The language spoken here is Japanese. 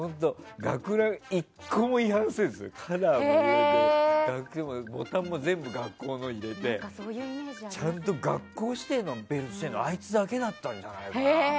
学ラン１個も違反せずカラーも上でボタンも全部学校のを入れてちゃんと学校指定のベルトしてるのあいつだけだったんじゃないかな。